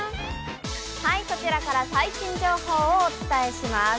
こちらから最新情報をお伝えします。